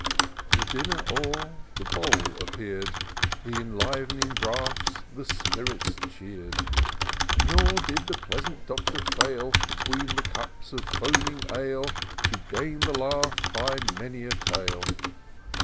The dinner o'er, the bowl appear'd ; Th' enliv'ning draughts the spirits cheer'd ; Nor did ^he pleasant Doctor fail. Between the cups of foaming ale. To gain the laugh by many a tale.